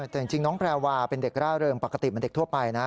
แต่จริงน้องแพรวาเป็นเด็กร่าเริงปกติเหมือนเด็กทั่วไปนะ